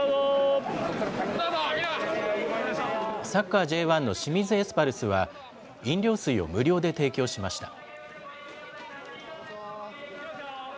サッカーＪ１の清水エスパルスは、飲料水を無料で提供しました。